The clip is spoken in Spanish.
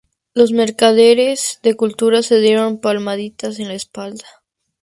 los mercaderes de cultura se dieron palmaditas en la espalda